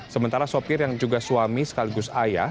sementara sopir yang juga suami sekaligus ayah